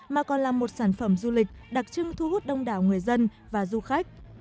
mà còn là một sản phẩm du lịch đặc trưng thu hút đông đảo người dân và du khách